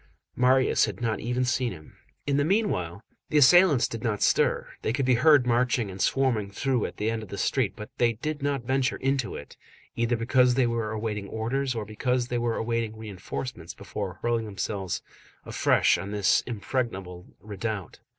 Marius had not even seen him. In the meanwhile, the assailants did not stir, they could be heard marching and swarming through at the end of the street but they did not venture into it, either because they were awaiting orders or because they were awaiting reinforcements before hurling themselves afresh on this impregnable redoubt.